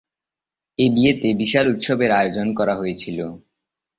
এই বিয়েতে বিশাল উৎসবের আয়োজন করা হয়েছিলো।